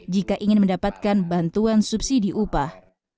jika ingin mendapatkan bantuan subsidi upah